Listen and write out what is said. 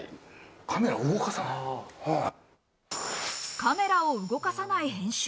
カメラを動かさない編集。